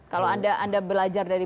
kalau anda belajar dari